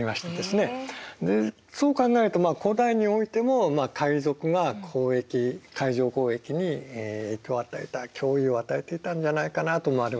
そう考えると古代においても海賊が交易海上交易に加わっていた脅威を与えていたんじゃないかなと思われるわけですね。